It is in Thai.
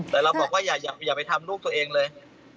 แต่เราบอกว่าอย่าไปทำลูกตัวเองเลย